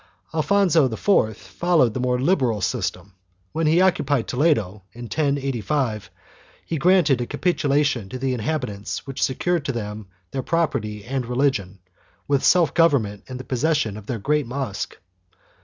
4 Alfonso VI followed the more liberal system; when he occupied Toledo, in 1085, he granted a capitulation to the inhabitants which secured to them their property and religion, with self government and the possession of their great mosque.